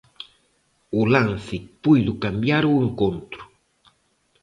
O lance puido cambiar o encontro.